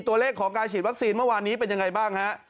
ตัวเลขของการฉีดวัคซีนเมื่อวานนี้เป็นยังไงบ้างฮะ